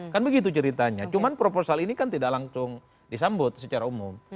kan begitu ceritanya cuman proposal ini kan tidak langsung disambut secara umum